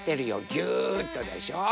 ぎゅっとでしょ。